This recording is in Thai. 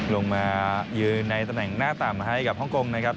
ลงมายืนในตำแหน่งหน้าต่ำให้กับฮ่องกงนะครับ